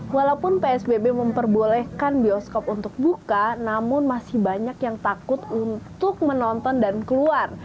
walaupun psbb memperbolehkan bioskop untuk buka namun masih banyak yang takut untuk menonton dan keluar